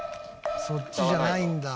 「そっちじゃないんだ」